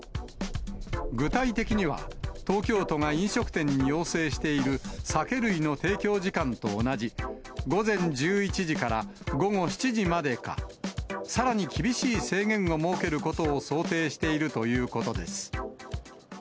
具体的には、東京都が飲食店に要請している酒類の提供時間と同じ、午前１１時から午後７時までか、さらに厳しい制限を設けることを想定しているということです。